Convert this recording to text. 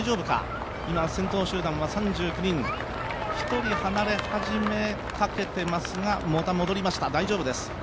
今、先頭集団は３９人、１人離れ始めかけていますがまた戻りました、大丈夫です。